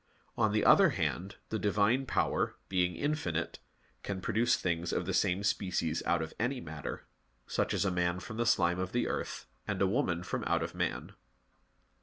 On the other hand, the Divine Power, being infinite, can produce things of the same species out of any matter, such as a man from the slime of the earth, and a woman from out of man.